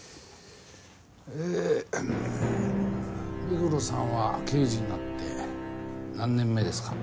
ええ目黒さんは刑事になって何年目ですか？